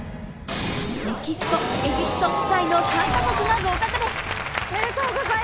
メキシコ、エジプト、タイの３か国が合格です。